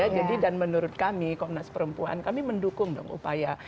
jadi dan menurut kami komnas perempuan kami mendukung dong upaya